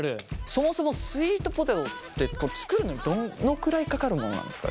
そもそもスイートポテトって作るのにどのくらいかかるものなんですか？